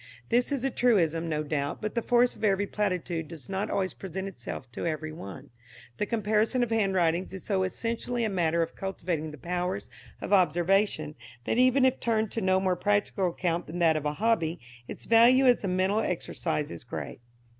This is a truism, no doubt, but the force of every platitude does not always present itself to every one. The comparison of handwritings is so essentially a matter of cultivating the powers of observation, that even if turned to no more practical account than that of a hobby its value as a mental exercise is great.